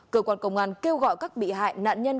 cơ quan công an kêu gọi các bị hại nạn nhân